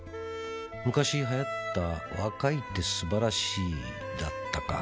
「昔流行った『若いってすばらしい』だったか」